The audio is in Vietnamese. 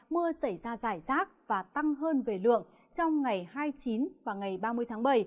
mưa xảy ra giải rác và tăng hơn về lượng trong ngày hai mươi chín và ngày ba mươi tháng bảy